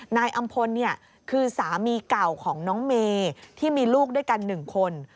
นายอำพลคือสามีเก่าของน้องเมที่มีลูกด้วยกัน๑คน